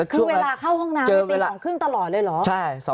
คือเวลาเข้าห้องน้ำเป็นตี๒ครึ่งตลอดเลยเหรอ